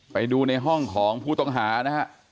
ไปดูในห้องของผู้ต้องหานะฮะ